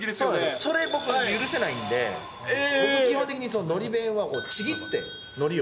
それ、僕、許せないんで、僕、基本的にのり弁はちぎって、のりを。